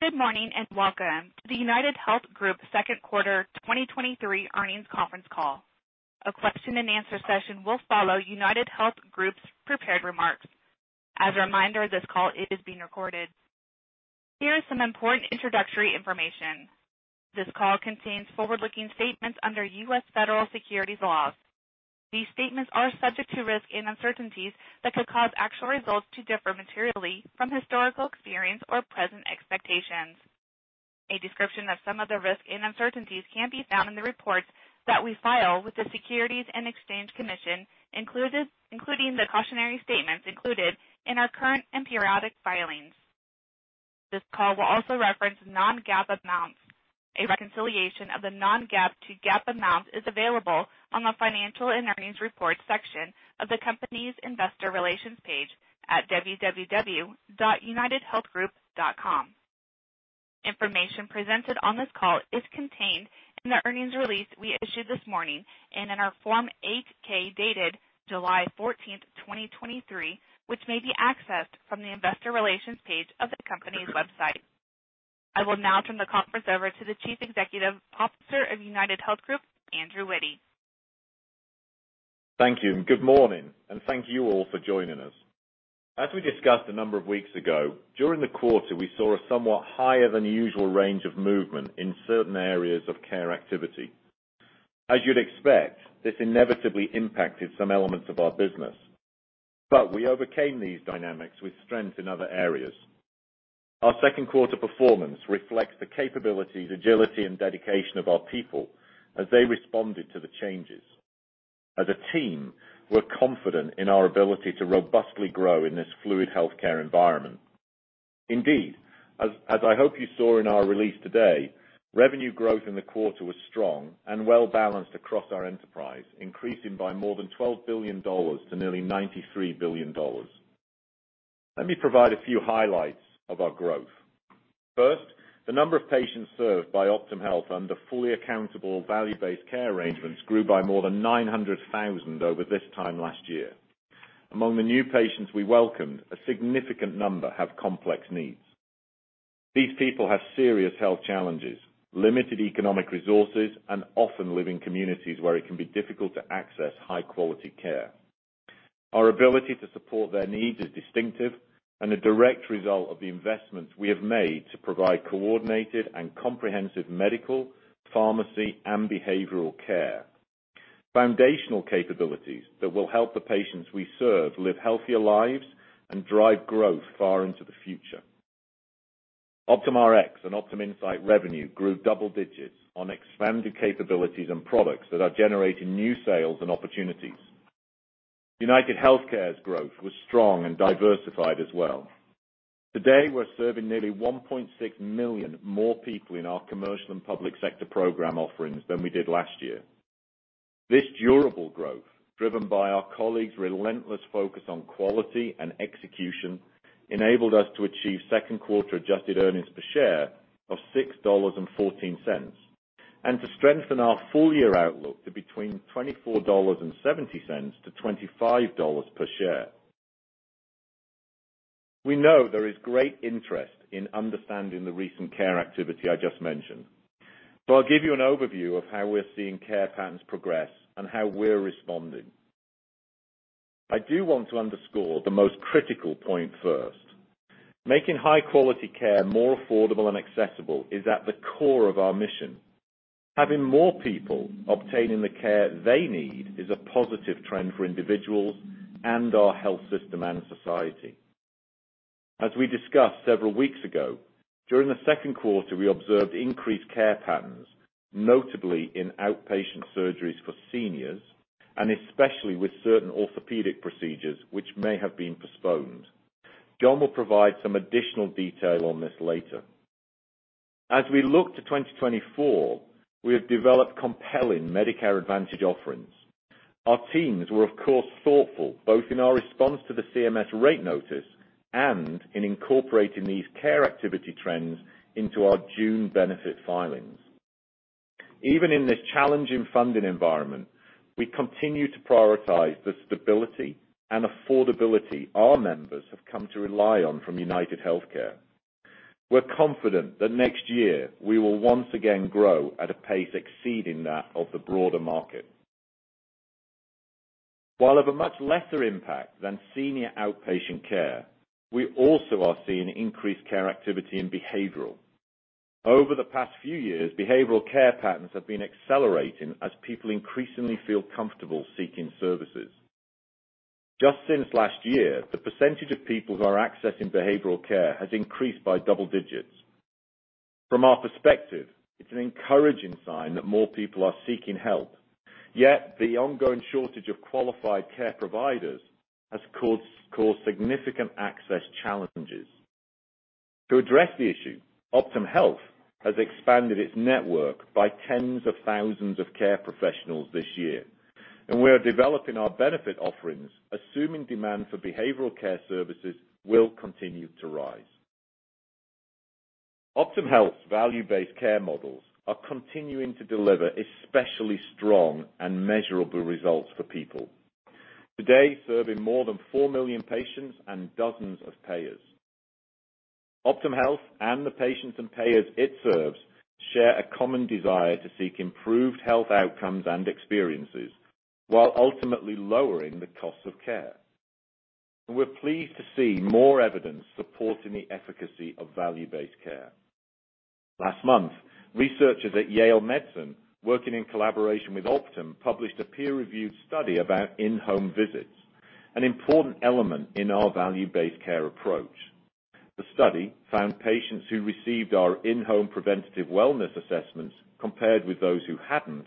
Good morning, welcome to the UnitedHealth Group Q2 2023 Earnings Conference Call. A question-and-answer session will follow UnitedHealth Group's prepared remarks. As a reminder, this call is being recorded. Here is some important introductory information. This call contains forward-looking statements under U.S. federal securities laws. These statements are subject to risks and uncertainties that could cause actual results to differ materially from historical experience or present expectations. A description of some of the risks and uncertainties can be found in the reports that we file with the Securities and Exchange Commission, including the cautionary statements included in our current and periodic filings. This call will also reference non-GAAP amounts. A reconciliation of the non-GAAP to GAAP amounts is available on the Financial and Earnings Reports section of the company's investor relations page at www.unitedhealthgroup.com. Information presented on this call is contained in the earnings release we issued this morning and in our Form 8-K, dated 14 July 2023, which may be accessed from the Investor Relations page of the company's website. I will now turn the conference over to the Chief Executive Officer of UnitedHealth Group, Andrew Witty. Thank you. Good morning, thank you all for joining us. As we discussed a number of weeks ago, during the quarter, we saw a somewhat higher than usual range of movement in certain areas of care activity. As you'd expect, this inevitably impacted some elements of our business, but we overcame these dynamics with strength in other areas. Our Q2 performance reflects the capabilities, agility, and dedication of our people as they responded to the changes. As a team, we're confident in our ability to robustly grow in this fluid healthcare environment. Indeed, as I hope you saw in our release today, revenue growth in the quarter was strong and well balanced across our enterprise, increasing by more than $12 billion to nearly $93 billion. Let me provide a few highlights of our growth. First, the number of patients served by Optum Health under fully accountable value-based care arrangements grew by more than 900,000 over this time last year. Among the new patients we welcomed, a significant number have complex needs. These people have serious health challenges, limited economic resources, and often live in communities where it can be difficult to access high-quality care. Our ability to support their needs is distinctive and a direct result of the investments we have made to provide coordinated and comprehensive medical, pharmacy, and behavioral care. Foundational capabilities that will help the patients we serve live healthier lives and drive growth far into the future. OptumRx and Optum Insight revenue grew double digits on expanded capabilities and products that are generating new sales and opportunities. UnitedHealthcare's growth was strong and diversified as well. Today, we're serving nearly $1.6 million more people in our commercial and public sector program offerings than we did last year. This durable growth, driven by our colleagues' relentless focus on quality and execution, enabled us to achieve Q2 adjusted earnings per share of $6.14, and to strengthen our full year outlook to between $24.70 to 25.00 per share. We know there is great interest in understanding the recent care activity I just mentioned, I'll give you an overview of how we're seeing care patterns progress and how we're responding. I do want to underscore the most critical point first. Making high-quality care more affordable and accessible is at the core of our mission. Having more people obtaining the care they need is a positive trend for individuals and our health system and society. We discussed several weeks ago, during the Q2, we observed increased care patterns, notably in outpatient surgeries for seniors, and especially with certain orthopedic procedures, which may have been postponed. John will provide some additional detail on this later. We look to 2024, we have developed compelling Medicare Advantage offerings. Our teams were, of course, thoughtful, both in our response to the CMS rate notice and in incorporating these care activity trends into our June benefit filings. Even in this challenging funding environment, we continue to prioritize the stability and affordability our members have come to rely on from UnitedHealthcare. We're confident that next year we will once again grow at a pace exceeding that of the broader market. Of a much lesser impact than senior outpatient care, we also are seeing increased care activity in behavioral. Over the past few years, behavioral care patterns have been accelerating as people increasingly feel comfortable seeking services. Just since last year, the percentage of people who are accessing behavioral care has increased by double digits. From our perspective, it's an encouraging sign that more people are seeking help. Yet, the ongoing shortage of qualified care providers has caused significant access challenges. To address the issue, Optum Health has expanded its network by tens of thousands of care professionals this year, and we are developing our benefit offerings, assuming demand for behavioral care services will continue to rise. Optum Health's value-based care models are continuing to deliver especially strong and measurable results for people, today, serving more than 4 million patients and dozens of payers. Optum Health and the patients and payers it serves share a common desire to seek improved health outcomes and experiences, while ultimately lowering the cost of care. We're pleased to see more evidence supporting the efficacy of value-based care. Last month, researchers at Yale Medicine, working in collaboration with Optum, published a peer-reviewed study about in-home visits, an important element in our value-based care approach. The study found patients who received our in-home preventative wellness assessments, compared with those who hadn't,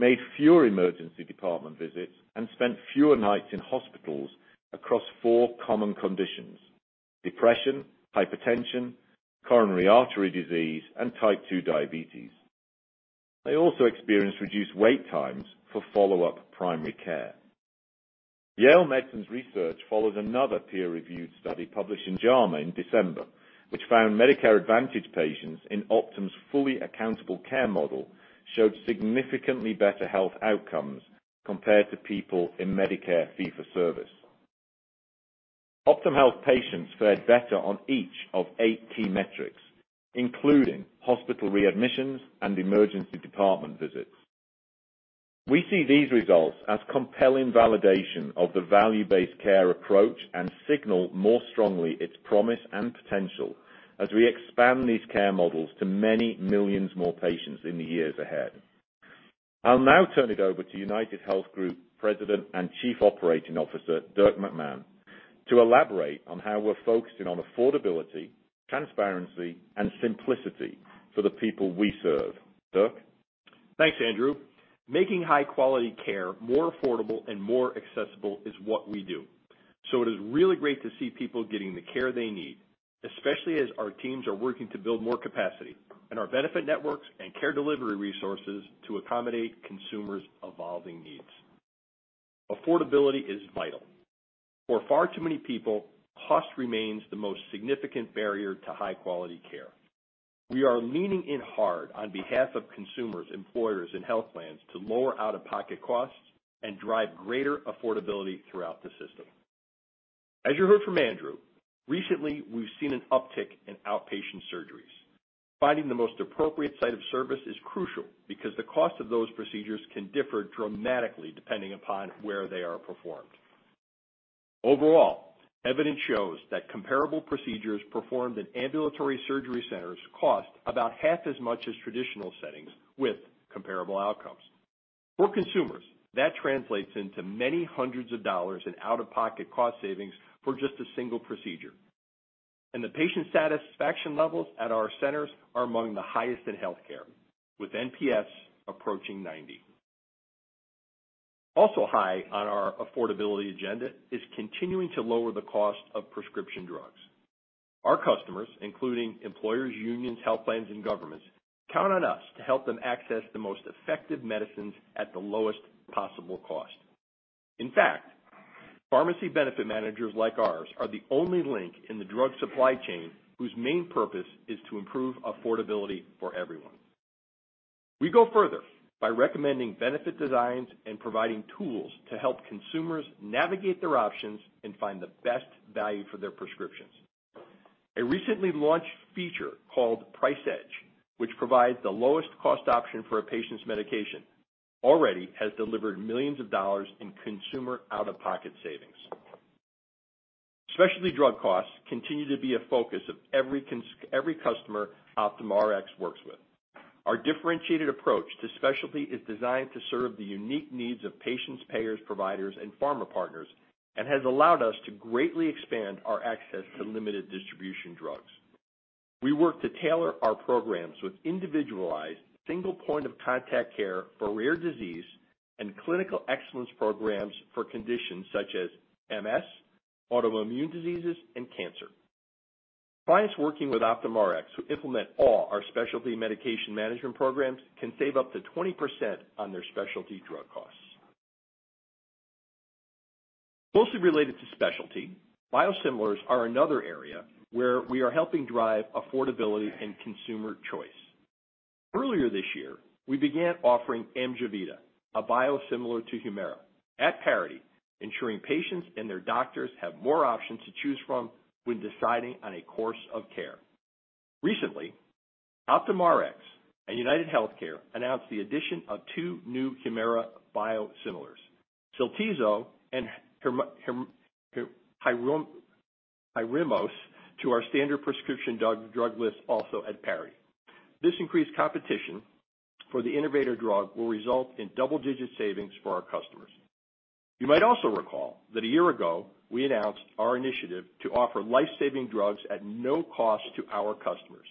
made fewer emergency department visits and spent fewer nights in hospitals across four common conditions: depression, hypertension, coronary artery disease, and type two diabetes. They also experienced reduced wait times for follow-up primary care. Yale Medicine's research follows another peer-reviewed study published in JAMA in December, which found Medicare Advantage patients in Optum's fully accountable care model showed significantly better health outcomes compared to people in Medicare fee-for-service. Optum Health patients fared better on each of 8 key metrics, including hospital readmissions and emergency department visits. We see these results as compelling validation of the value-based care approach and signal more strongly its promise and potential as we expand these care models to many millions more patients in the years ahead. I'll now turn it over to UnitedHealth Group President and Chief Operating Officer, Dirk McMahon, to elaborate on how we're focusing on affordability, transparency, and simplicity for the people we serve. Dirk? Thanks, Andrew. Making high-quality care more affordable and more accessible is what we do. It is really great to see people getting the care they need, especially as our teams are working to build more capacity in our benefit networks and care delivery resources to accommodate consumers' evolving needs. Affordability is vital. For far too many people, cost remains the most significant barrier to high-quality care. We are leaning in hard on behalf of consumers, employers, and health plans to lower out-of-pocket costs and drive greater affordability throughout the system. As you heard from Andrew, recently, we've seen an uptick in outpatient surgeries. Finding the most appropriate site of service is crucial because the cost of those procedures can differ dramatically depending upon where they are performed. Overall, evidence shows that comparable procedures performed in ambulatory surgery centers cost about half as much as traditional settings with comparable outcomes. For consumers, that translates into many hundreds of dollars in out-of-pocket cost savings for just a single procedure. The patient satisfaction levels at our centers are among the highest in healthcare, with NPS approaching 90. Also high on our affordability agenda is continuing to lower the cost of prescription drugs. Our customers, including employers, unions, health plans, and governments, count on us to help them access the most effective medicines at the lowest possible cost. In fact, pharmacy benefit managers like ours are the only link in the drug supply chain whose main purpose is to improve affordability for everyone. We go further by recommending benefit designs and providing tools to help consumers navigate their options and find the best value for their prescriptions. A recently launched feature called Price Edge, which provides the lowest cost option for a patient's medication, already has delivered millions of dollars in consumer out-of-pocket savings. Specialty drug costs continue to be a focus of every customer Optum Rx works with. Our differentiated approach to specialty is designed to serve the unique needs of patients, payers, providers, and pharma partners, and has allowed us to greatly expand our access to limited distribution drugs. We work to tailor our programs with individualized, single point-of-contact care for rare disease and clinical excellence programs for conditions such as MS, autoimmune diseases, and cancer. Clients working with Optum Rx, who implement all our specialty medication management programs, can save up to 20% on their specialty drug costs. Mostly related to specialty, biosimilars are another area where we are helping drive affordability and consumer choice. Earlier this year, we began offering Amjevita, a biosimilar to Humira, at parity, ensuring patients and their doctors have more options to choose from when deciding on a course of care. Recently, OptumRx and UnitedHealthcare announced the addition of two new Humira biosimilars, Cyltezo and Hyrimoz, to our standard prescription drug list, also at parity. This increased competition for the innovator drug will result in double-digit savings for our customers. You might also recall that a year ago, we announced our initiative to offer life-saving drugs at no cost to our customers.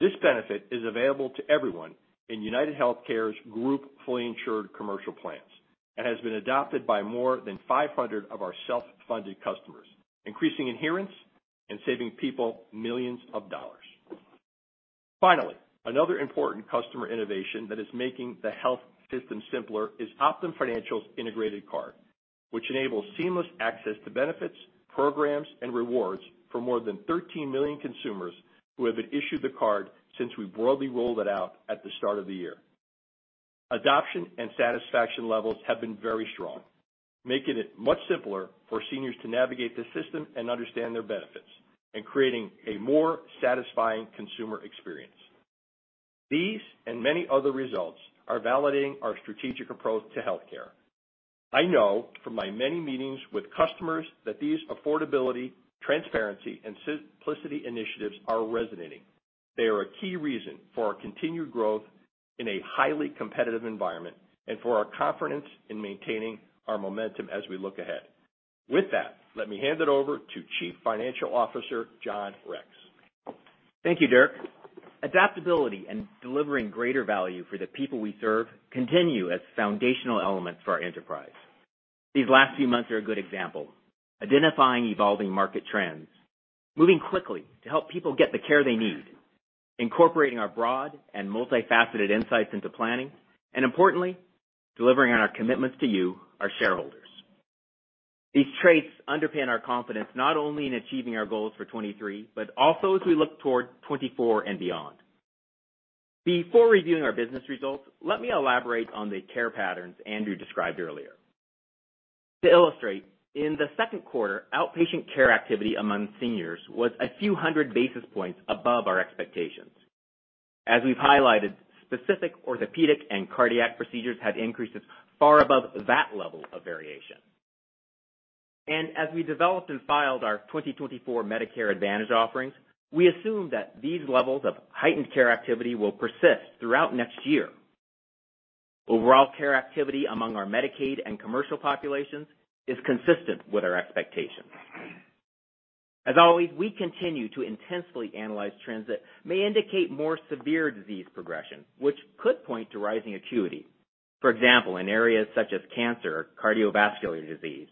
This benefit is available to everyone in UnitedHealthcare's Group fully insured commercial plans and has been adopted by more than 500 of our self-funded customers, increasing adherence and saving people millions of dollars. Another important customer innovation that is making the health system simpler is Optum Financial's Integrated Card. which enables seamless access to benefits, programs, and rewards for more than 13 million consumers who have been issued the card since we broadly rolled it out at the start of the year. Adoption and satisfaction levels have been very strong, making it much simpler for seniors to navigate the system and understand their benefits, and creating a more satisfying consumer experience. These and many other results are validating our strategic approach to healthcare. I know from my many meetings with customers that these affordability, transparency, and simplicity initiatives are resonating. They are a key reason for our continued growth in a highly competitive environment, and for our confidence in maintaining our momentum as we look ahead. With that, let me hand it over to Chief Financial Officer, John Rex. Thank you, Dirk. Adaptability and delivering greater value for the people we serve continue as foundational elements for our enterprise. These last few months are a good example. Identifying evolving market trends, moving quickly to help people get the care they need, incorporating our broad and multifaceted insights into planning, importantly, delivering on our commitments to you, our shareholders. These traits underpin our confidence, not only in achieving our goals for 2023, but also as we look toward 2024 and beyond. Before reviewing our business results, let me elaborate on the care patterns Andrew described earlier. To illustrate, in the Q2, outpatient care activity among seniors was a few hundred basis points above our expectations. As we've highlighted, specific orthopedic and cardiac procedures had increases far above that level of variation. As we developed and filed our 2024 Medicare Advantage offerings, we assume that these levels of heightened care activity will persist throughout next year. Overall care activity among our Medicaid and commercial populations is consistent with our expectations. As always, we continue to intensely analyze trends that may indicate more severe disease progression, which could point to rising acuity. For example, in areas such as cancer, cardiovascular disease,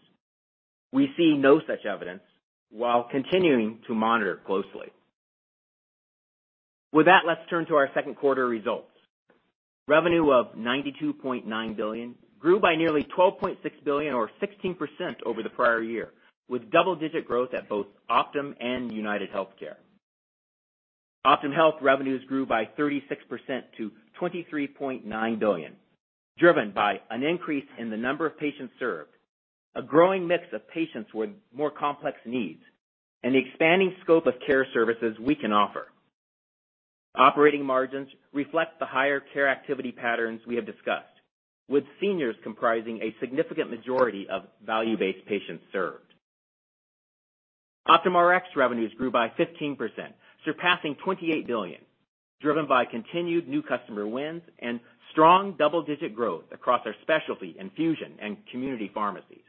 we see no such evidence, while continuing to monitor closely. With that, let's turn to our Q2 results. Revenue of $92.9 billion grew by nearly $12.6 billion, or 16% over the prior year, with double-digit growth at both Optum and UnitedHealthcare. Optum Health revenues grew by 36% to $23.9 billion, driven by an increase in the number of patients served, a growing mix of patients with more complex needs, and the expanding scope of care services we can offer. Operating margins reflect the higher care activity patterns we have discussed, with seniors comprising a significant majority of value-based patients served. OptumRx revenues grew by 15%, surpassing $28 billion, driven by continued new customer wins and strong double-digit growth across our specialty infusion and community pharmacies.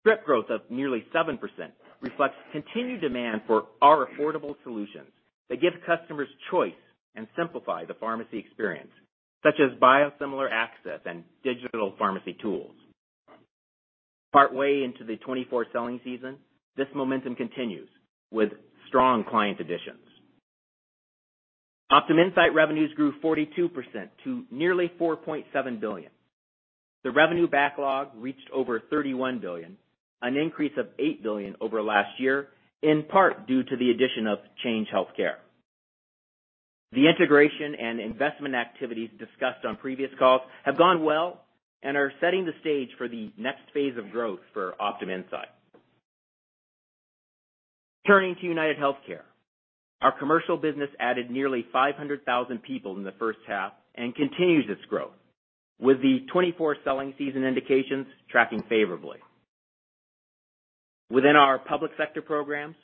Strip growth of nearly 7% reflects continued demand for our affordable solutions that give customers choice and simplify the pharmacy experience, such as biosimilar access and digital pharmacy tools. Partway into the 2024 selling season, this momentum continues with strong client additions. Optum Insight revenues grew 42% to nearly $4.7 billion. The revenue backlog reached over $31 billion, an increase of $8 billion over last year, in part due to the addition of Change Healthcare. The integration and investment activities discussed on previous calls have gone well and are setting the stage for the next phase of growth for Optum Insight. Turning to UnitedHealthcare, our commercial business added nearly 500,000 people in the first half and continues its growth, with the 2024 selling season indications tracking favorably. Within our public sector programs,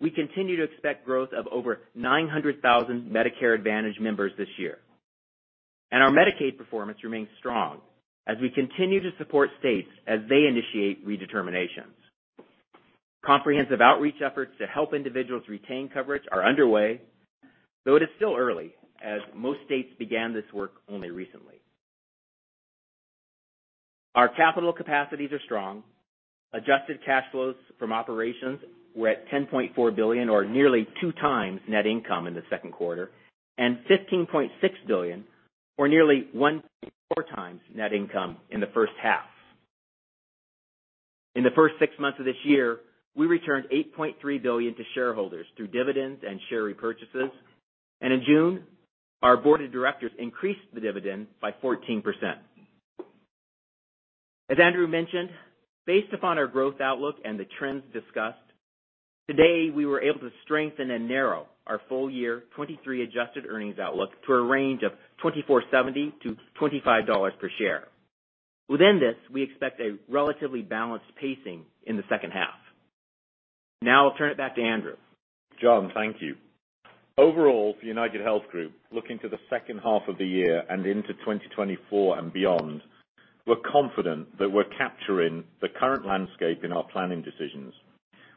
we continue to expect growth of over 900,000 Medicare Advantage members this year. Our Medicaid performance remains strong as we continue to support states as they initiate redeterminations. Comprehensive outreach efforts to help individuals retain coverage are underway, though it is still early, as most states began this work only recently. Our capital capacities are strong. Adjusted cash flows from operations were at $10.4 billion, or nearly two times net income in the Q2, and $15.6 billion, or nearly 1.4 times net income in the first half. In the first six months of this year, we returned $8.3 billion to shareholders through dividends and share repurchases. In June, our board of directors increased the dividend by 14%. As Andrew mentioned, based upon our growth outlook and the trends discussed, today, we were able to strengthen and narrow our full year 2023 adjusted earnings outlook to a range of $24.70 to 25 per share. Within this, we expect a relatively balanced pacing in the second half. I'll turn it back to Andrew. John, thank you. Overall, for UnitedHealth Group, looking to the second half of the year and into 2024 and beyond, we're confident that we're capturing the current landscape in our planning decisions,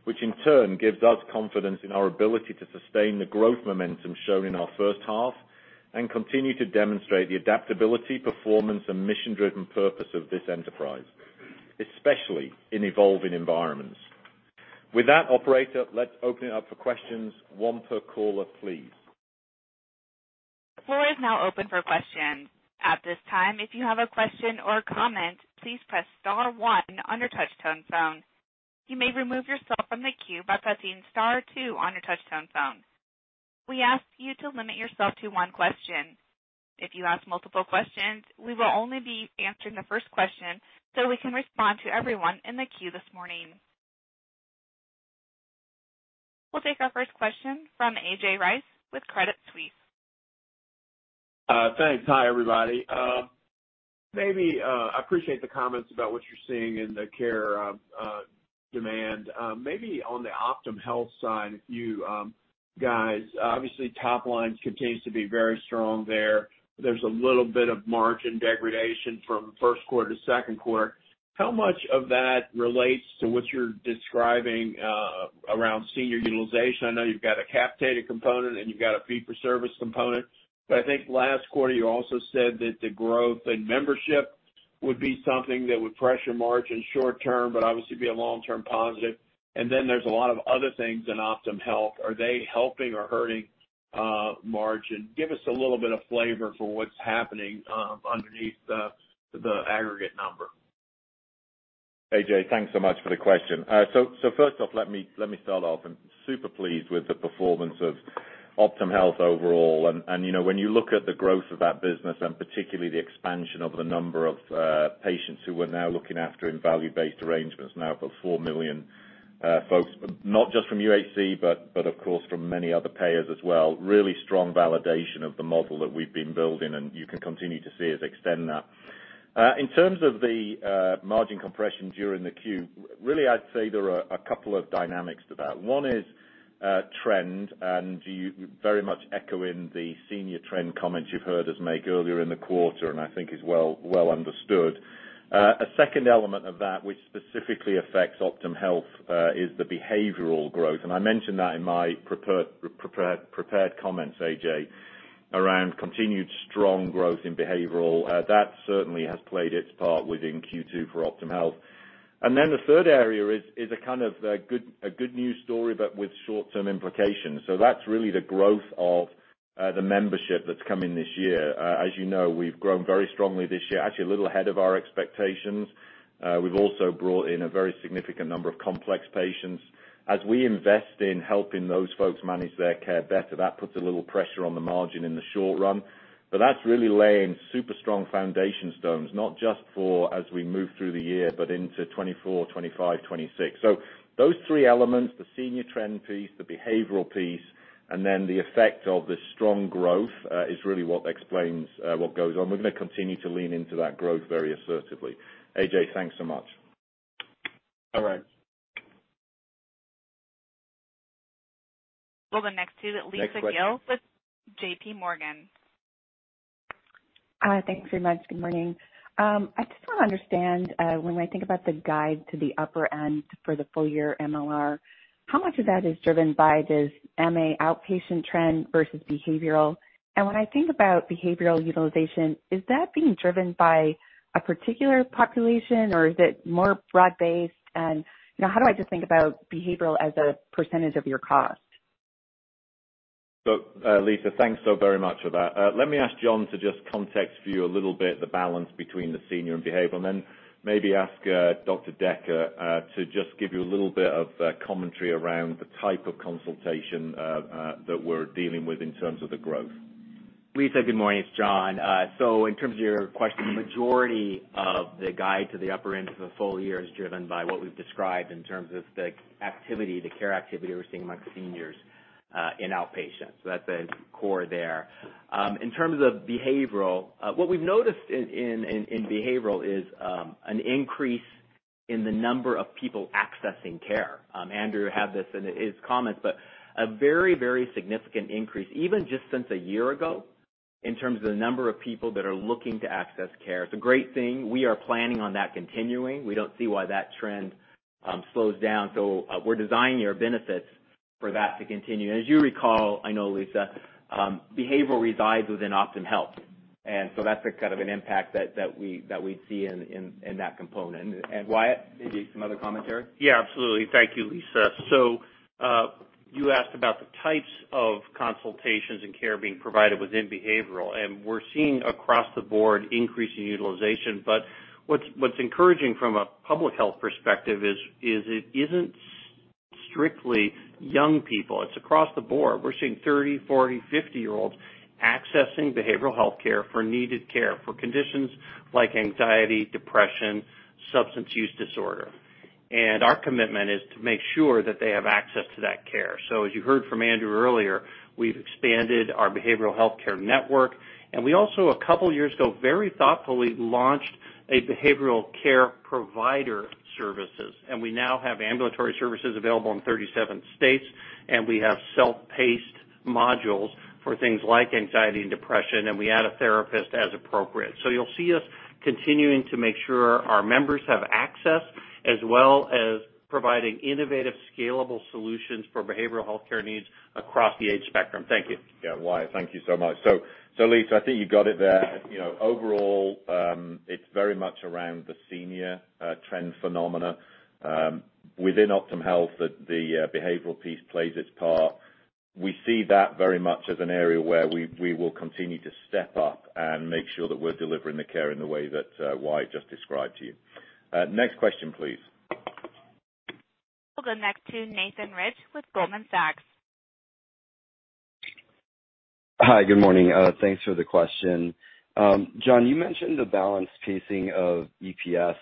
which in turn gives us confidence in our ability to sustain the growth momentum shown in our first half, and continue to demonstrate the adaptability, performance, and mission-driven purpose of this enterprise, especially in evolving environments. With that, operator, let's open it up for questions. One per caller, please. The floor is now open for questions. At this time, if you have a question or comment, please press star one on your touchtone phone. You may remove yourself from the queue by pressing star two on your touchtone phone. We ask you to limit yourself to one question. If you ask multiple questions, we will only be answering the first question, so we can respond to everyone in the queue this morning. We'll take our first question from A.J. Rice with Credit Suisse. Thanks. Hi, everybody. Maybe, I appreciate the comments about what you're seeing in the care demand. Maybe on the Optum Health side, if you guys, obviously, top line continues to be very strong there. There's a little bit of margin degradation from Q1 to Q2. How much of that relates to what you're describing around senior utilization? I know you've got a capitated component, and you've got a fee-for-service component, but I think last quarter you also said that the growth in membership would be something that would pressure margin short term, but obviously be a long-term positive. There's a lot of other things in Optum Health. Are they helping or hurting margin? Give us a little bit of flavor for what's happening underneath the aggregate number. A.J., thanks so much for the question. First off, let me start off. I'm super pleased with the performance of Optum Health overall. You know, when you look at the growth of that business, and particularly the expansion of the number of patients who we're now looking after in value-based arrangements, now above four million folks, not just from UHC, but of course, from many other payers as well, really strong validation of the model that we've been building, and you can continue to see us extend that. In terms of the margin compression during the Q, really, I'd say there are a couple of dynamics to that. One is trend, you very much echoing the senior trend comments you've heard us make earlier in the quarter, and I think is well understood. A second element of that, which specifically affects Optum Health, is the behavioral growth. I mentioned that in my prepared comments, A.J., around continued strong growth in behavioral. That certainly has played its part within Q2 for Optum Health. The third area is a kind of a good news story, but with short-term implications. That's really the growth of the membership that's coming this year. As you know, we've grown very strongly this year, actually a little ahead of our expectations. We've also brought in a very significant number of complex patients. As we invest in helping those folks manage their care better, that puts a little pressure on the margin in the short run, but that's really laying super strong foundation stones, not just for as we move through the year, but into 2024, 2025, 2026. Those three elements, the senior trend piece, the behavioral piece, and then the effect of the strong growth, is really what explains what goes on. We're going to continue to lean into that growth very assertively. A.J., thanks so much. All right. We'll go next to Lisa Gill. Next question. with JP Morgan. Thanks very much. Good morning. I just want to understand, when I think about the guide to the upper end for the full year MLR, how much of that is driven by this MA outpatient trend versus behavioral? When I think about behavioral utilization, is that being driven by a particular population, or is it more broad-based? You know, how do I just think about behavioral as a percentage of your cost? Lisa, thanks so very much for that. Let me ask John to just context for you a little bit, the balance between the senior and behavioral, and then maybe ask Wyatt Decker to just give you a little bit of commentary around the type of consultation that we're dealing with in terms of the growth. Lisa, good morning. It's John. In terms of your question, the majority of the guide to the upper end for the full year is driven by what we've described in terms of the activity, the care activity we're seeing among seniors in outpatient. That's the core there. In terms of behavioral, what we've noticed in behavioral is an increase in the number of people accessing care. Andrew had this in his comments, but a very significant increase, even just since a year ago, in terms of the number of people that are looking to access care. It's a great thing. We are planning on that continuing. We don't see why that trend slows down, we're designing our benefits for that to continue. As you recall, I know, Lisa, behavioral resides within Optum Health, that's the kind of an impact that we'd see in that component. Wyatt, maybe some other commentary? Yeah, absolutely. Thank you, Lisa. You asked about the types of consultations and care being provided within behavioral, and we're seeing across the board increase in utilization. What's encouraging from a public health perspective is it isn't strictly young people, it's across the board. We're seeing 30, 40, 50-year-olds accessing behavioral health care for needed care, for conditions like anxiety, depression, substance use disorder. Our commitment is to make sure that they have access to that care. As you heard from Andrew earlier, we've expanded our behavioral health care network, and we also, a couple of years ago, very thoughtfully launched a behavioral care provider services, and we now have ambulatory services available in 37 states, and we have self-paced modules for things like anxiety and depression, and we add a therapist as appropriate. You'll see us continuing to make sure our members have access, as well as providing innovative, scalable solutions for behavioral health care needs across the age spectrum. Thank you. Wyatt, thank you so much. Lisa, I think you got it there. You know, overall, it's very much around the senior trend phenomena. Within Optum Health, the behavioral piece plays its part. We see that very much as an area where we will continue to step up and make sure that we're delivering the care in the way that Wyatt just described to you. Next question, please. We'll go next to Nathan Rich with Goldman Sachs. Hi, good morning. thanks for the question. John, you mentioned the balanced pacing of EPS,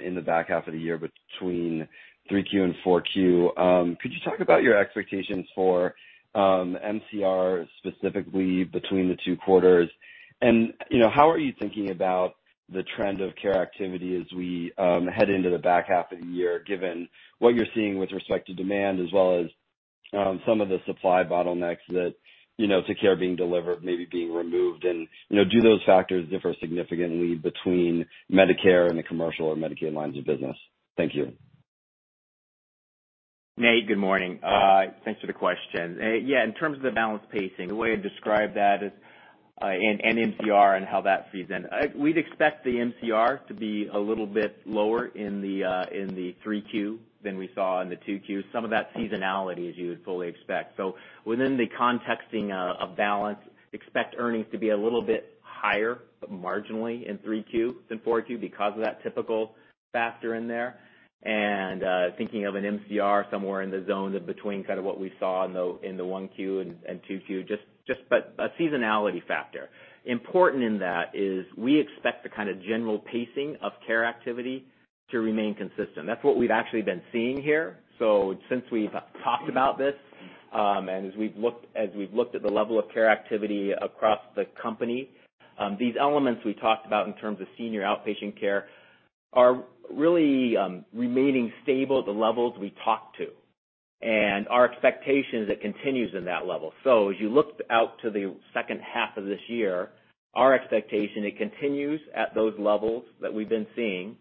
in the back half of the year between Q3 and Q4. could you talk about your expectations for, MCR, specifically between the two quarters? you know, how are you thinking about the trend of care activity as we, head into the back half of the year, given what you're seeing with respect to demand as well as, some of the supply bottlenecks that, you know, to care being delivered, maybe being removed? you know, do those factors differ significantly between Medicare and the commercial or Medicaid lines of business? Thank you. Nate, good morning. thanks for the question. yeah, in terms of the balanced pacing, the way I'd describe that is, in MCR and how that feeds in. we'd expect the MCR to be a little bit lower in the, in the Q3 than we saw in the Q2. Some of that seasonality, as you would fully expect. Within the contexting of balance, expect earnings to be a little bit higher, marginally in Q3 than Q4 because of that typical factor in there. Thinking of an MCR somewhere in the zone of between kind of what we saw in the, in the Q1 and Q2, just but a seasonality factor. Important in that is we expect the kind of general pacing of care activity to remain consistent. That's what we've actually been seeing here. Since we've talked about this, and as we've looked at the level of care activity across the company, these elements we talked about in terms of senior outpatient care are really remaining stable at the levels we talked to, and our expectation is it continues in that level. As you look out to the second half of this year, our expectation, it continues at those levels that we've been seeing,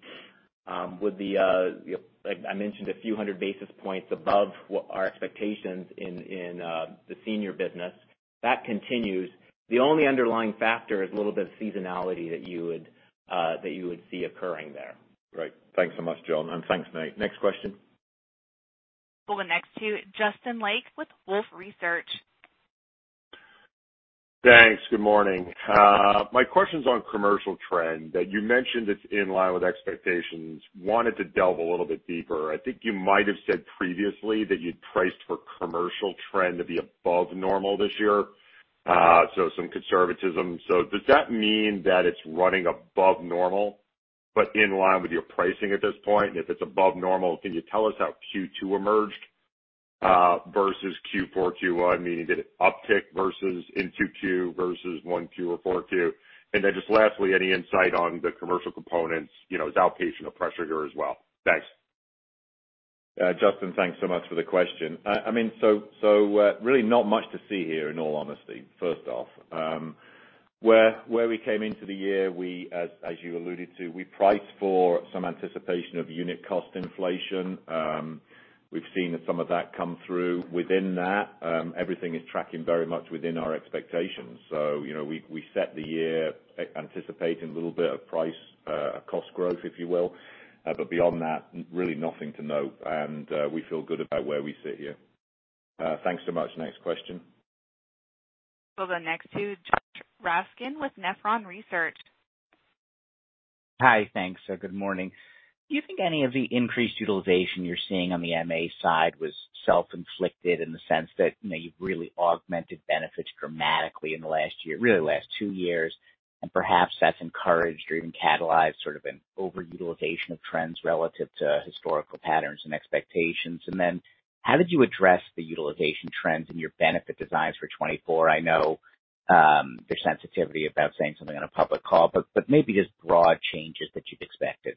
with the, you know, like I mentioned, a few hundred basis points above what our expectations in the senior business. That continues. The only underlying factor is a little bit of seasonality that you would see occurring there. Great. Thanks so much, John, and thanks, Nate. Next question. We'll go next to Justin Lake with Wolfe Research. Thanks. Good morning. My question's on commercial trend. You mentioned it's in line with expectations. Wanted to delve a little bit deeper. I think you might have said previously that you'd priced for commercial trend to be above normal this year, so some conservatism. Does that mean that it's running above normal, but in line with your pricing at this point? If it's above normal, can you tell us how Q2 emerged versus Q4, Q1, meaning did it uptick versus in Q2 versus Q1 or Q4? Just lastly, any insight on the commercial components, you know, as outpatient pressure here as well? Thanks. Justin, thanks so much for the question. Really not much to see here, in all honesty, first off. Where we came into the year, we, as you alluded to, we priced for some anticipation of unit cost inflation. We've seen some of that come through. Within that, everything is tracking very much within our expectations. You know, we set the year anticipating a little bit of price, cost growth, if you will. Beyond that, really nothing to note, and we feel good about where we sit here. Thanks so much. Next question. We'll go next to Josh Raskin with Nephron Research. Hi, thanks. Good morning. Do you think any of the increased utilization you're seeing on the MA side was self-inflicted in the sense that, you know, you've really augmented benefits dramatically in the last year, really the last two years, and perhaps that's encouraged or even catalyzed sort of an overutilization of trends relative to historical patterns and expectations? How did you address the utilization trends in your benefit designs for 2024? I know, there's sensitivity about saying something on a public call, but maybe just broad changes that you'd expected.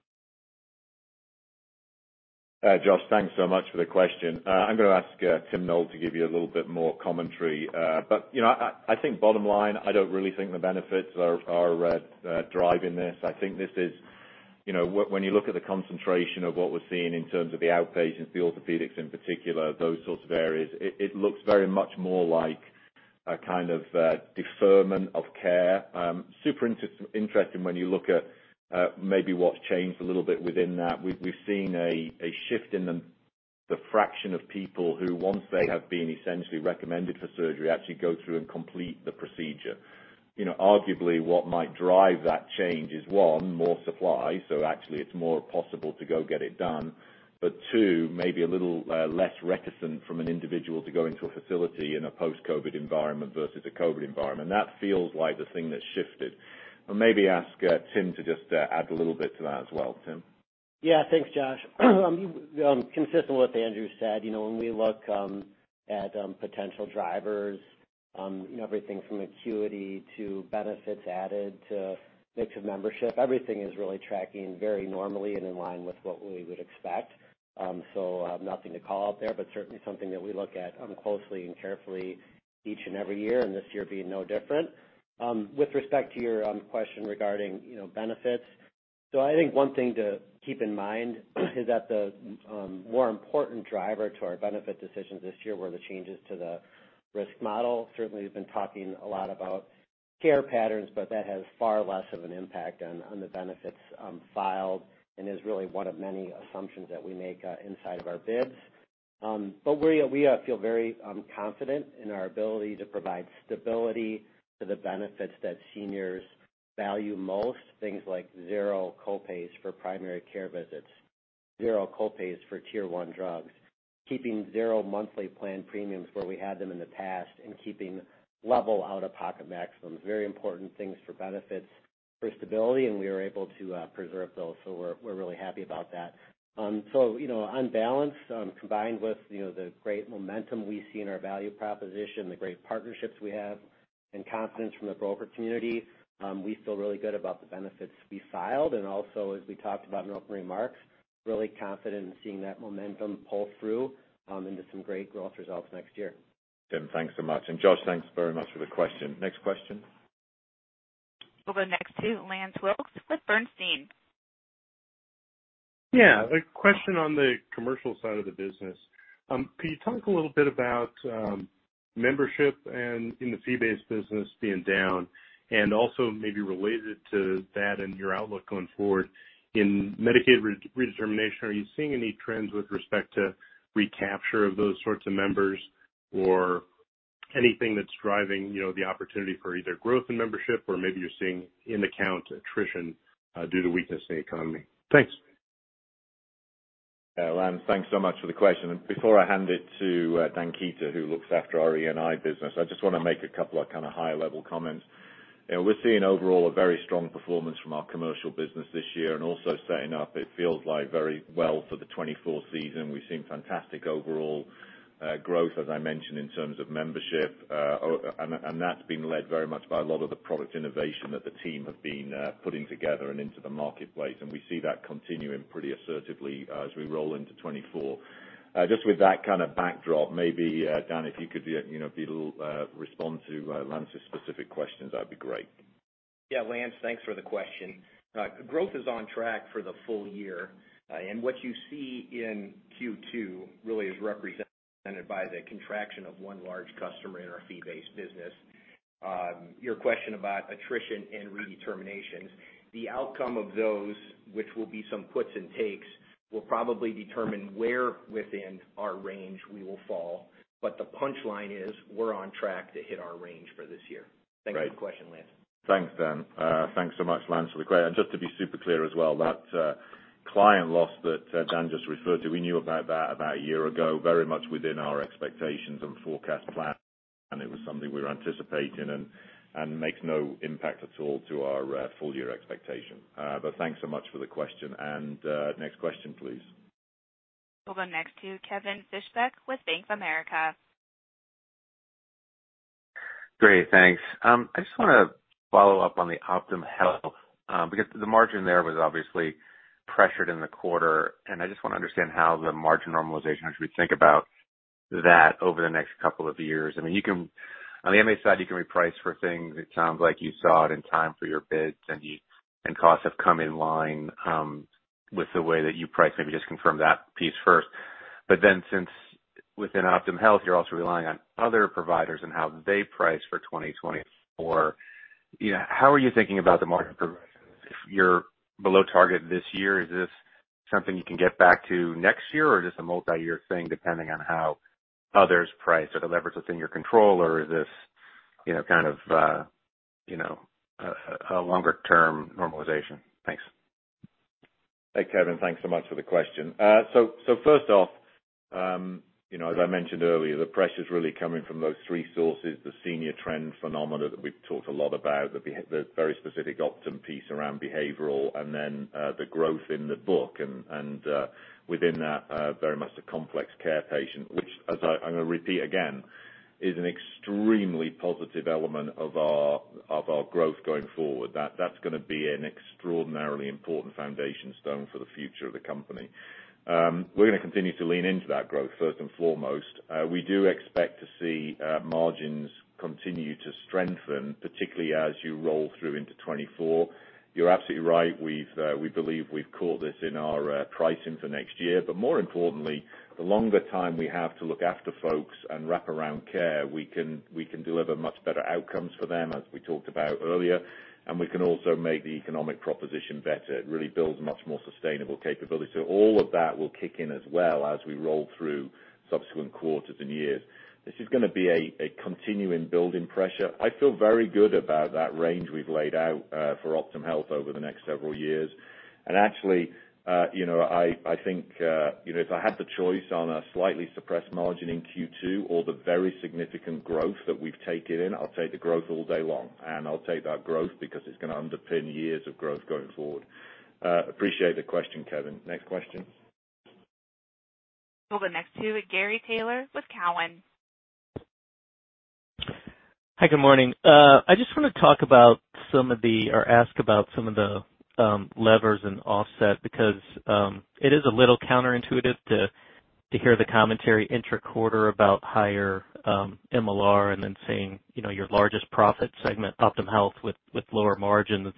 Josh, thanks so much for the question. I'm gonna ask Tim Noel to give you a little bit more commentary. You know, I think bottom line, I don't really think the benefits are driving this. I think this is, you know, when you look at the concentration of what we're seeing in terms of the outpatients, the orthopedics in particular, those sorts of areas, it looks very much more like a kind of deferment of care. Super interesting when you look at maybe what's changed a little bit within that. We've seen a shift in the fraction of people who, once they have been essentially recommended for surgery, actually go through and complete the procedure. You know, arguably, what might drive that change is, 1, more supply, so actually it's more possible to go get it done. 2, maybe a little less reticent from an individual to go into a facility in a post-COVID environment versus a COVID environment. That feels like the thing that shifted. I'll maybe ask Tim to just add a little bit to that as well. Tim? Yeah, thanks, Josh. Consistent with what Andrew said, you know, when we look at potential drivers, you know, everything from acuity to benefits added to mix of membership, everything is really tracking very normally and in line with what we would expect. Nothing to call out there, but certainly something that we look at closely and carefully each and every year, and this year being no different. With respect to your question regarding, you know, benefits, so I think one thing to keep in mind is that the more important driver to our benefit decisions this year were the changes to the risk model. Certainly, we've been talking a lot about...... care patterns, but that has far less of an impact on the benefits filed, and is really one of many assumptions that we make inside of our bids. We feel very confident in our ability to provide stability to the benefits that seniors value most, things like zero copays for primary care visits, zero copays for tier 1 drugs, keeping zero monthly plan premiums where we had them in the past, and keeping level out-of-pocket maximums. Very important things for benefits for stability, and we were able to preserve those. We're really happy about that. You know, on balance, combined with, you know, the great momentum we see in our value proposition, the great partnerships we have, and confidence from the broker community, we feel really good about the benefits we filed, and also, as we talked about in opening remarks, really confident in seeing that momentum pull through, into some great growth results next year. Tim, thanks so much. Josh, thanks very much for the question. Next question? We'll go next to Lance Wilkes with Bernstein. A question on the commercial side of the business. Can you talk a little bit about membership and in the fee-based business being down? Also maybe related to that and your outlook going forward, in Medicaid redetermination, are you seeing any trends with respect to recapture of those sorts of members, or anything that's driving, you know, the opportunity for either growth in membership, or maybe you're seeing in-account attrition due to weakness in the economy? Thanks. Lance, thanks so much for the question. Before I hand it to Dan Kueter, who looks after our E&I business, I just want to make a couple of kind of high-level comments. You know, we're seeing overall a very strong performance from our commercial business this year, also setting up, it feels like very well for the 2024 season. We've seen fantastic overall growth, as I mentioned, in terms of membership. And that's been led very much by a lot of the product innovation that the team have been putting together and into the marketplace. We see that continuing pretty assertively as we roll into 2024. Just with that kind of backdrop, maybe Dan, if you could, you know, be a little, respond to Lance's specific questions, that'd be great. Yeah, Lance, thanks for the question. Growth is on track for the full year. What you see in Q2 really is represented by the contraction of one large customer in our fee-based business. Your question about attrition and redeterminations, the outcome of those, which will be some puts and takes, will probably determine where within our range we will fall. The punchline is, we're on track to hit our range for this year. Great. Thanks for the question, Lance. Thanks, Dan. Thanks so much, Lance, for the question. Just to be super clear as well, that, client loss that, Dan just referred to, we knew about that about a year ago, very much within our expectations and forecast plan, and it was something we were anticipating and makes no impact at all to our, full year expectation. Thanks so much for the question. Next question, please. We'll go next to Kevin Fischbeck with Bank of America. Great, thanks. I just want to follow up on the Optum Health, because the margin there was obviously pressured in the quarter, and I just want to understand how the margin normalization, as we think about that over the next couple of years. I mean, on the MA side, you can reprice for things. It sounds like you saw it in time for your bids and costs have come in line with the way that you price. Maybe just confirm that piece first. Since within Optum Health, you're also relying on other providers and how they price for 2024, you know, how are you thinking about the margin progression? If you're below target this year, is this something you can get back to next year, or just a multi-year thing, depending on how others price or the levers within your control, or is this, you know, kind of, you know, a longer-term normalization? Thanks. Hey, Kevin, thanks so much for the question. First off, you know, as I mentioned earlier, the pressure is really coming from those three sources, the senior trend phenomena that we've talked a lot about, the very specific Optum piece around behavioral, and then, the growth in the book and, within that, very much the complex care patient, which as I'm going to repeat again, is an extremely positive element of our growth going forward. That's going to be an extraordinarily important foundation stone for the future of the company. We're going to continue to lean into that growth, first and foremost. We do expect to see margins continue to strengthen, particularly as you roll through into 2024. You're absolutely right. We've, we believe we've caught this in our pricing for next year. More importantly, the longer time we have to look after folks and wraparound care, we can deliver much better outcomes for them, as we talked about earlier, and we can also make the economic proposition better. It really builds much more sustainable capability. All of that will kick in as well as we roll through subsequent quarters and years. This is gonna be a continuing building pressure. I feel very good about that range we've laid out for Optum Health over the next several years. Actually, you know, I think, you know, if I had the choice on a slightly suppressed margin in Q2 or the very significant growth that we've taken in, I'll take the growth all day long, and I'll take that growth because it's going to underpin years of growth going forward. Appreciate the question, Kevin. Next question? We'll go next to Gary Taylor with Cowen. Hi, good morning. I just want to talk about some of the, or ask about some of the levers and offset, because it is a little counterintuitive to hear the commentary intraquarter about higher MLR and then seeing, you know, your largest profit segment, Optum Health, with lower margins.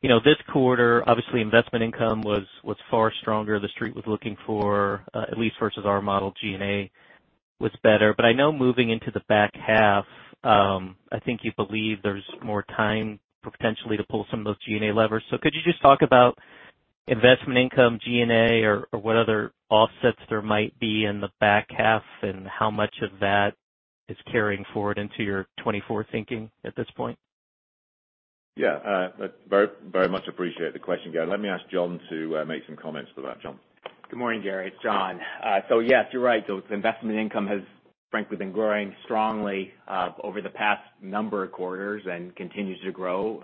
You know, this quarter, obviously, investment income was far stronger. The street was looking for at least versus our model GNA was better, but I know moving into the back half, I think you believe there's more time potentially to pull some of those GNA levers. Could you just talk about investment income, GNA, or what other offsets there might be in the back half, and how much of that is carrying forward into your 2024 thinking at this point? Yeah, very much appreciate the question, Gary. Let me ask John to make some comments about that. John? Good morning, Gary, it's John. Yes, you're right. Investment income has frankly been growing strongly over the past number of quarters and continues to grow.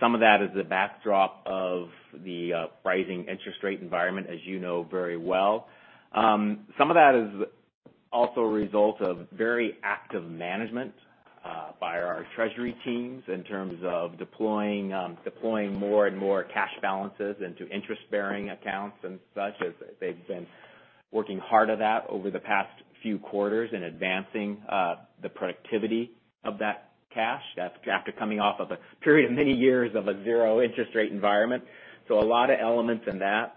Some of that is the backdrop of the rising interest rate environment, as you know very well. Some of that is also a result of very active management by our treasury teams in terms of deploying more and more cash balances into interest-bearing accounts and such, as they've been working hard on that over the past few quarters and advancing the productivity of that cash. That's after coming off of a period of many years of a zero interest rate environment. A lot of elements in that.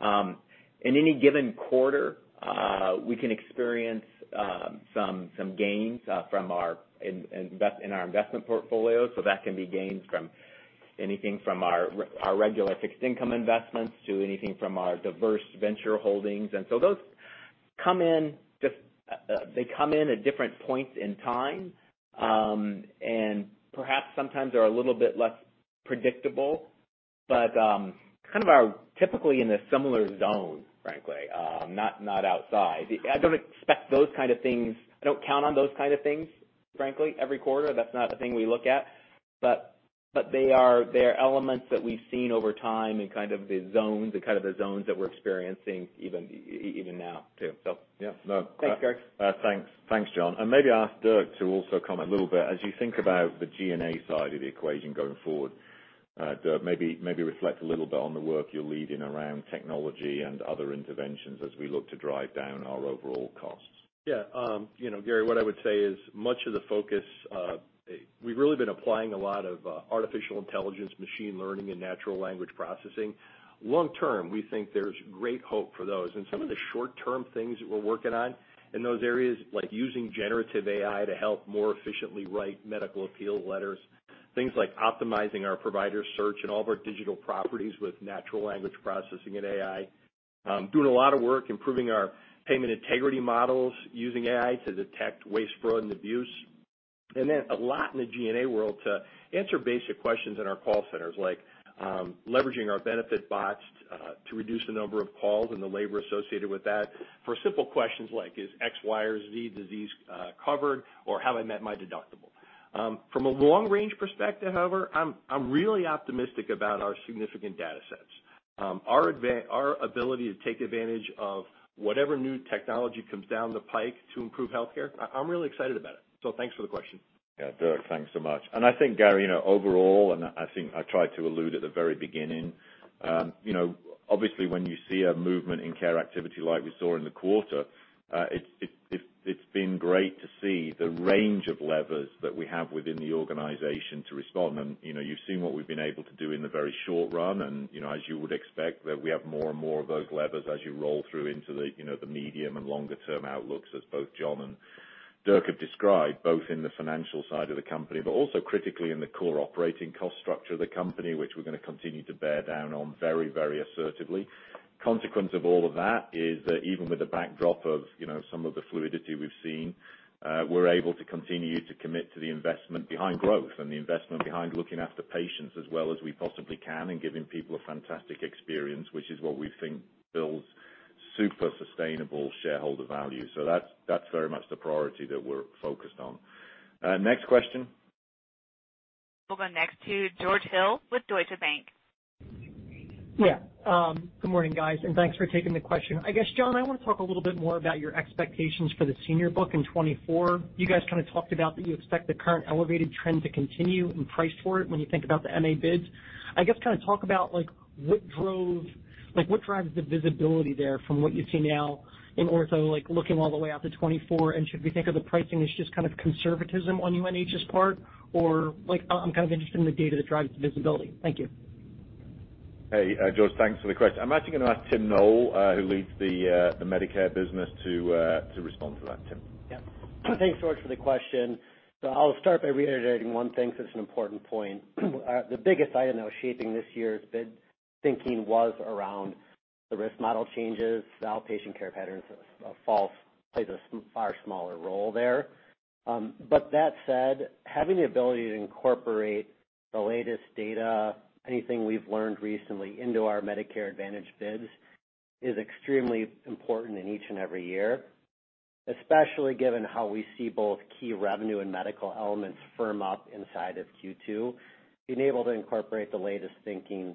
In any given quarter, we can experience some gains from our investment portfolio. That can be gains from anything from our regular fixed income investments to anything from our diverse venture holdings. Those come in. They come in at different points in time, and perhaps sometimes they're a little bit less predictable, but kind of are typically in a similar zone, frankly, not outside. I don't expect those kind of things, I don't count on those kind of things, frankly, every quarter. That's not a thing we look at. They are, they're elements that we've seen over time and kind of the zones, the kind of the zones that we're experiencing even now, too. Yeah. Thanks, guys. Thanks. Thanks, John. Maybe ask Dirk to also comment a little bit. As you think about the SG&A side of the equation going forward, Dirk, maybe reflect a little bit on the work you're leading around technology and other interventions as we look to drive down our overall costs. Yeah, you know, Gary, what I would say is much of the focus, we've really been applying a lot of artificial intelligence, machine learning, and natural language processing. Long term, we think there's great hope for those, some of the short-term things that we're working on in those areas, like using generative AI to help more efficiently write medical appeal letters, things like optimizing our provider search and all of our digital properties with natural language processing and AI. Doing a lot of work, improving our payment integrity models, using AI to detect waste, fraud, and abuse. A lot in the SG&A world to answer basic questions in our call centers, like leveraging our benefit bots to reduce the number of calls and the labor associated with that. For simple questions like: Is X, Y, or Z disease covered? Have I met my deductible? From a long range perspective, however, I'm really optimistic about our significant data sets. Our ability to take advantage of whatever new technology comes down the pike to improve healthcare, I'm really excited about it. Thanks for the question. Yeah, Dirk, thanks so much. I think, Gary, you know, overall, and I think I tried to allude at the very beginning, you know, obviously, when you see a movement in care activity like we saw in the quarter, it's been great to see the range of levers that we have within the organization to respond. You know, you've seen what we've been able to do in the very short run, and, you know, as you would expect, that we have more and more of those levers as you roll through into the, you know, the medium and longer-term outlooks, as both John and Dirk have described, both in the financial side of the company, but also critically in the core operating cost structure of the company, which we're going to continue to bear down on very, very assertively. Consequence of all of that is that even with the backdrop of, you know, some of the fluidity we've seen, we're able to continue to commit to the investment behind growth and the investment behind looking after patients as well as we possibly can, and giving people a fantastic experience, which is what we think builds super sustainable shareholder value. That's very much the priority that we're focused on. Next question. We'll go next to George Hill with Deutsche Bank. Yeah, good morning, guys, and thanks for taking the question. I guess, John, I want to talk a little bit more about your expectations for the senior book in 2024. You guys kind of talked about that you expect the current elevated trend to continue and price for it when you think about the MA bids. I guess, kind of talk about like, what drives the visibility there from what you see now in Optum, like, looking all the way out to 2024? Should we think of the pricing as just kind of conservatism on UNH's part, or like, I'm kind of interested in the data that drives the visibility. Thank you. Hey, George, thanks for the question. I'm actually going to ask Tim Noel, who leads the Medicare business, to respond to that. Tim? Thanks, George, for the question. I'll start by reiterating one thing, because it's an important point. The biggest item that was shaping this year's bid thinking was around the risk model changes. The outpatient care patterns of fall plays a far smaller role there. That said, having the ability to incorporate the latest data, anything we've learned recently into our Medicare Advantage bids, is extremely important in each and every year, especially given how we see both key revenue and medical elements firm up inside of Q2. Being able to incorporate the latest thinking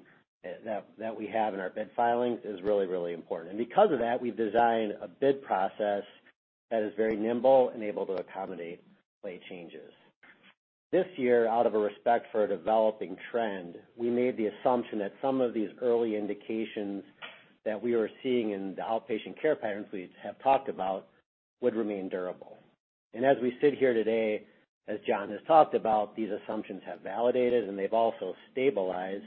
that we have in our bid filings is really, really important. Because of that, we've designed a bid process that is very nimble and able to accommodate late changes. This year, out of a respect for a developing trend, we made the assumption that some of these early indications that we are seeing in the outpatient care patterns we have talked about would remain durable.... As we sit here today, as John has talked about, these assumptions have validated and they've also stabilized,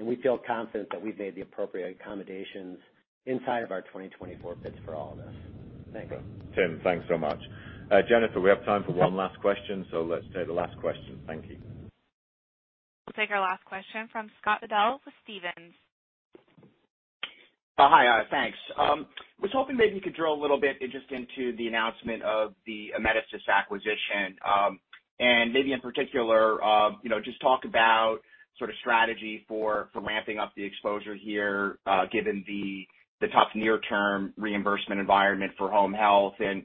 and we feel confident that we've made the appropriate accommodations inside of our 2024 bids for all of this. Thank you. Tim, thanks so much. Jennifer, we have time for one last question. Let's take the last question. Thank you. We'll take our last question from Scott Fidel with Stephens. Was hoping maybe you could drill a little bit just into the announcement of the Amedisys acquisition. And maybe in particular, you know, just talk about sort of strategy for ramping up the exposure here, given the tough near-term reimbursement environment for home health. Then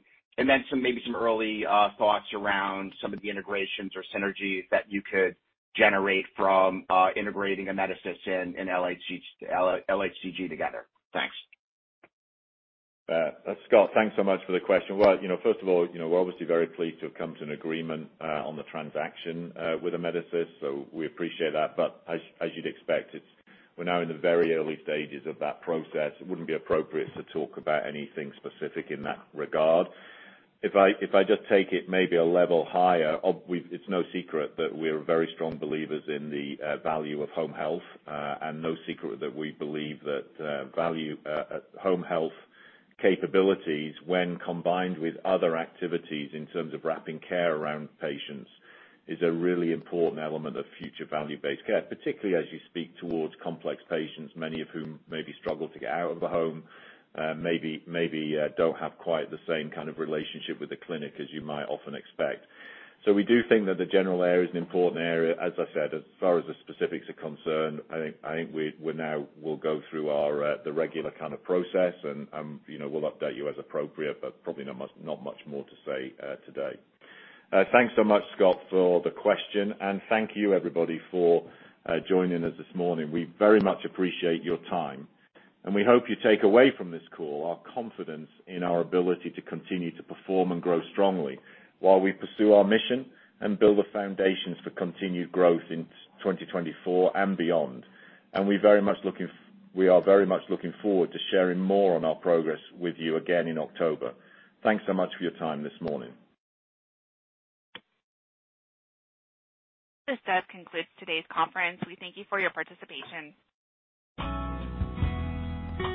some, maybe some early thoughts around some of the integrations or synergies that you could generate from integrating Amedisys and LHCG together. Thanks. Scott, thanks so much for the question. You know, first of all, you know, we're obviously very pleased to have come to an agreement on the transaction with Amedisys, so we appreciate that. As, as you'd expect, we're now in the very early stages of that process. It wouldn't be appropriate to talk about anything specific in that regard. If I just take it maybe a level higher, it's no secret that we're very strong believers in the value of home health, and no secret that we believe that value, home health capabilities, when combined with other activities in terms of wrapping care around patients, is a really important element of future value-based care. Particularly as you speak towards complex patients, many of whom maybe struggle to get out of the home, maybe don't have quite the same kind of relationship with the clinic as you might often expect. We do think that the general area is an important area. As I said, as far as the specifics are concerned, I think we now will go through our the regular kind of process, and, you know, we'll update you as appropriate, but probably not much more to say today. Thanks so much, Scott, for the question, and thank you, everybody, for joining us this morning. We very much appreciate your time. We hope you take away from this call our confidence in our ability to continue to perform and grow strongly while we pursue our mission and build the foundations for continued growth in 2024 and beyond. We are very much looking forward to sharing more on our progress with you again in October. Thanks so much for your time this morning. This does conclude today's conference. We thank you for your participation.